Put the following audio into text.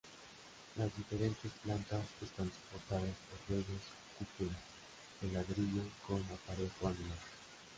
Las diferentes plantas están soportadas por bellas cúpulas de ladrillo con aparejo anular.